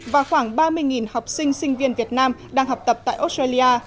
và khoảng ba mươi học sinh sinh viên việt nam đang học tập tại australia